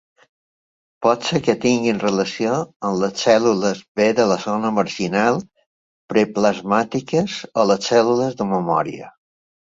Pot ser que tinguin relació amb les cèl·lules B de la zona marginal preplasmàtiques o les cèl·lules de memòria.